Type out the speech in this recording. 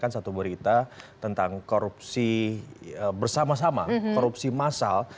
satu berita tentang korupsi bersama sama korupsi massal